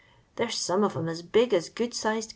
They 're some of 'em as big as good sised